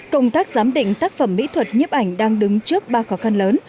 công tác giám định tác phẩm mỹ thuật nhiếp ảnh đang đứng trước ba khó khăn lớn